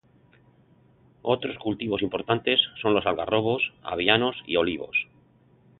Otros cultivos importantes son los algarrobos, avellanos y olivos.